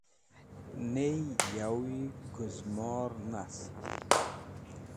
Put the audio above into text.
Ney yawi gũzmor nast.